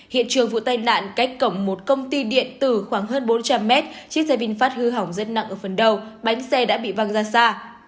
hiện trường vụ tai nạn cách cổng một công ty điện tử khoảng hơn bốn trăm linh mét chiếc xe vinfast hư hỏng rất nặng ở phần đầu bánh xe đã bị văng ra xa